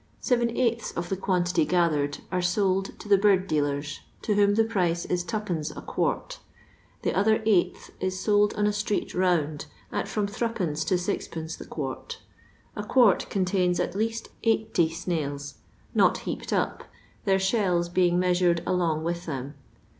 Seven eighths ef the quantity gathered are sold to the bird dealen^ to whom the price is 2<i. a quart. The other eighth is sold on a street round at from 3d. to 6dL the quart. A quart contains at least 80 snaili^ not heaped up, their shells being measnred alomr with them.